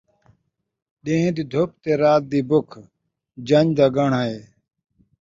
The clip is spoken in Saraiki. ݙین٘ہہ دی دُھپ تے رات دی بُکھ جن٘ڄ دا ڳاہݨاں ہے